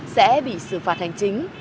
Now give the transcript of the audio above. sẽ bị xử phạt hành chính